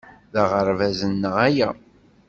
D aɣerbaz-nneɣ aya.